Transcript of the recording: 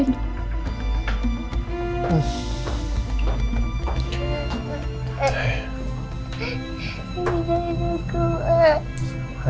ibu aku mau keluar